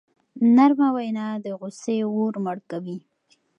نرمه وینا د غصې اور مړ کوي.